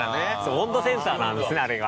温度センサーなんですねあれが。